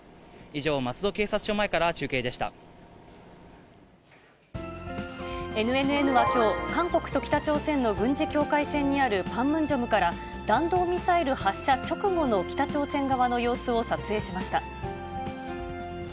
以上、ＮＮＮはきょう、韓国と北朝鮮の軍事境界線にあるパンムンジョムから、弾道ミサイル発射直後の北朝鮮側の様子を撮影しました。